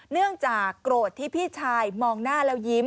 เนื่องจากโกรธที่พี่ชายมองหน้าแล้วยิ้ม